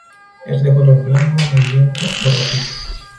Es de color blanco, amarillento o rojizo.